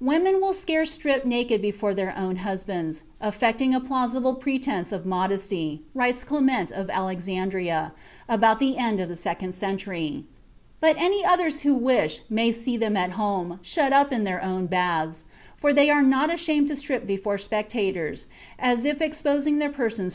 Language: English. "Women will scarce strip naked before their own husbands, affecting a plausible pretense of modesty," writes Clement of Alexandria, about the end of the second century, "but any others who wish may see them at home, shut up in their own baths, for they are not ashamed to strip before spectators, as if exposing their persons for sale.